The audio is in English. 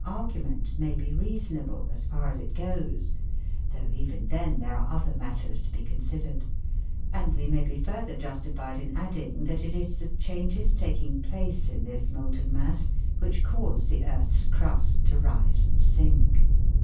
argument may be reasonable as far as it goes (though even then there are other matters to be considered), and we may be further justified in adding that it is the changes taking place in this molten mass which cause the earth's crust to rise and sink.